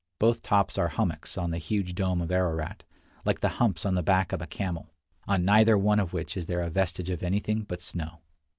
Both tops are hummocks on the huge dome of Ararat, like the humps on the back of a camel, on neither one of which is there a vestige of anything but snow.